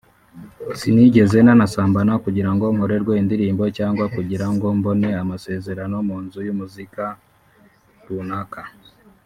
sinigeze nanasambana kugira ngo nkorerwe indirimbo cyangwa kugira ngo mbone amasezerano mu nzu y’umuziki runaka